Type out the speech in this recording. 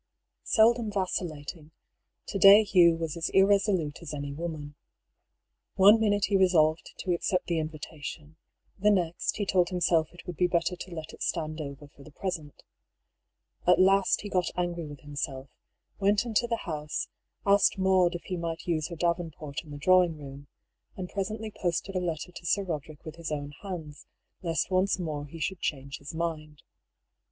Seldom vacillating, to day Hugh was as irresolute as any woman. One minute he resolved to accept the in vitation, the next he told himself it would be better to let it stand over for the present. At last he got angry with himself, went into the house, asked Maud if he might use her davenport in the drawing room, and pres ently posted a letter to Sir Roderick with his own hands, lest once more he should change his mind.